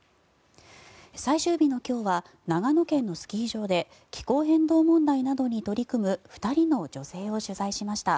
最終日の今日は長野県のスキー場で気候変動問題などに取り組む２人の女性を取材しました。